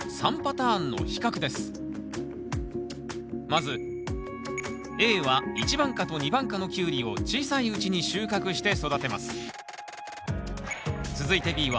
まずＡは１番果と２番果のキュウリを小さいうちに収穫して育てます。